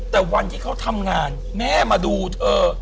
แต่วันที่เขาทำงานแม่มาดูเธอ